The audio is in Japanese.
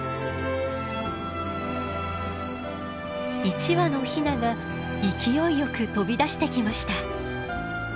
一羽のヒナが勢いよく飛び出してきました。